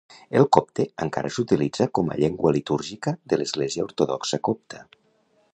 El copte encara s'utilitza com a llengua litúrgica de l'Església Ortodoxa Copta.